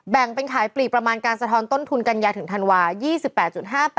แบ่งเป็นขายปลีกประมาณการสะท้อนต้นทุนกันยาถึงธันวา๒๘๕๘